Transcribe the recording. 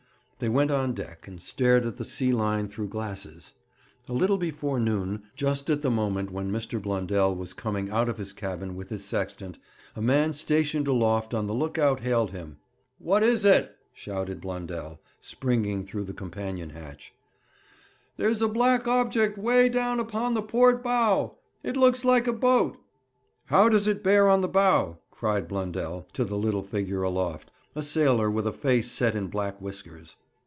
They went on deck, and stared at the sea line through glasses. A little before noon, just at the moment when Mr. Blundell was coming out of his cabin with his sextant, a man stationed aloft on the look out hailed him. 'What is it?' shouted Blundell, springing through the companion hatch. 'There is a black object away down upon the port bow. It looks like a boat.' 'How does it bear on the bow?' cried Blundell to the little figure aloft, a sailor with a face set in black whiskers.